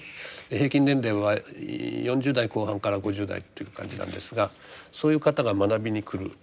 平均年齢は４０代後半から５０代という感じなんですがそういう方が学びに来る。